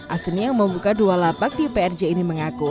asin yang membuka dua lapak di prj ini mengaku